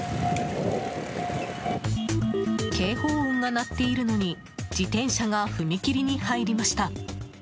警報音が鳴っているのに自転車が踏切に入りました。